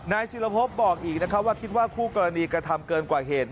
ศิลภพบอกอีกนะครับว่าคิดว่าคู่กรณีกระทำเกินกว่าเหตุ